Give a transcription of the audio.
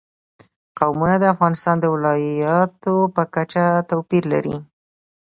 قومونه د افغانستان د ولایاتو په کچه توپیر لري.